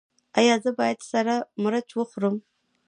ایا زه باید سره مرچ وخورم؟